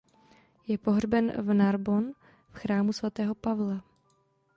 Je pohřben v Narbonne v chrámu svatého Pavla.